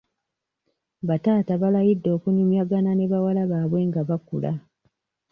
Ba taata balayidde okunyumyagana ne bawala baabwe nga bakula.